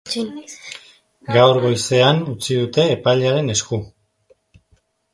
Gaur goizean utzi dute epailearen esku.